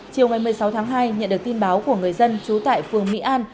chiều ngày một mươi sáu tháng hai nhận được tin báo của người dân trú tại phường mỹ an